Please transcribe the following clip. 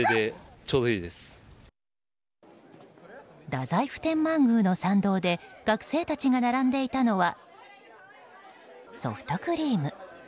太宰府天満宮の参道で学生たちが並んでいたのはソフトクリーム。